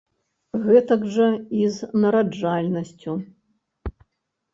Гэтак жа і з нараджальнасцю.